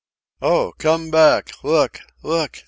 "Oh! Come back! Look! Look!"